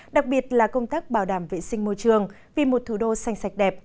đặc biệt là công tác bảo đảm vệ sinh môi trường vì một thủ đô xanh sạch đẹp